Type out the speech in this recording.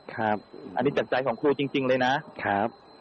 ครับอันนี้จากใจของครูจริงเลยนะครับ